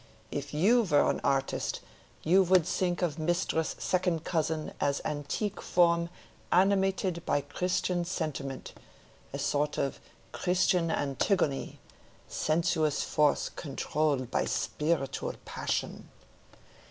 If you were an artist, you would think of Mistress Second Cousin as antique form animated by Christian sentiment—a sort of Christian Antigone—sensuous force controlled by spiritual passion."